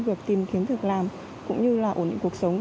đối với các ngành nghề này